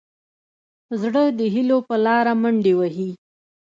زړه د هيلو په لاره منډې وهي.